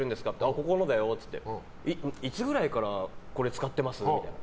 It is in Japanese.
ここのだよって言っていつぐらいから使ってます？みたいな。